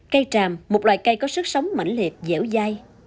cây tràm một loài cây có sức sống mạnh liệt dẻo dai